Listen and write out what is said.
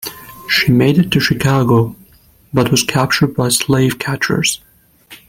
She made it to Chicago, but was captured by slave catchers.